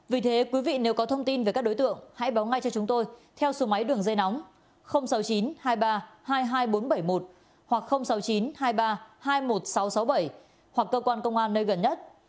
vì thế quý vị nếu có thông tin về các đối tượng hãy báo ngay cho chúng tôi theo số máy đường dây nóng sáu mươi chín hai mươi ba hai mươi hai nghìn bốn trăm bảy mươi một hoặc sáu mươi chín hai mươi ba hai mươi một nghìn sáu trăm sáu mươi bảy hoặc cơ quan công an nơi gần nhất